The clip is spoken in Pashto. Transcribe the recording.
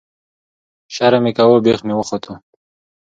ـ شرم مې کوو بېخ مې وختو.